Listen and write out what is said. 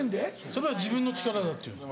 それは自分の力だって言うんです。